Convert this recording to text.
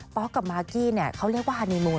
ป๊อกกับมากกี้เขาเรียกว่าฮานีมูน